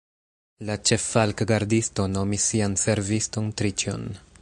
La ĉeffalkgardisto nomis sian serviston Triĉjon.